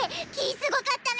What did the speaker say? すごかったね！